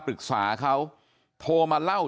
ปรึกษาเขาโทรมาเล่า